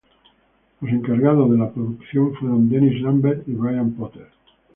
Los encargados de la producción fueron Dennis Lambert y Brian Potter.